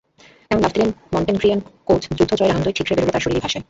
এমন লাফ দিলেন মন্টেনেগ্রিয়ান কোচ, যুদ্ধজয়ের আনন্দই ঠিকরে বেরোল তাঁর শরীরী ভাষায়।